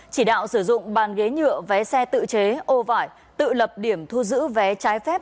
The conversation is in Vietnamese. chỉ đạo sử dụng bàn ghế nhựa vé xe tự chế ô vải tự lập điểm thu giữ vé trái phép